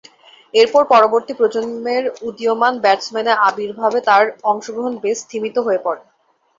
এরপর পরবর্তী প্রজন্মের উদীয়মান ব্যাটসম্যানের আবির্ভাবে তার অংশগ্রহণ বেশ স্তিমিত হয়ে পড়ে।